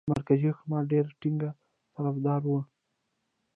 د مرکزي حکومت ډېر ټینګ طرفدار وو.